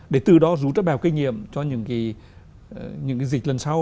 để từ đó rú trất bèo kinh nghiệm cho những dịch lần sau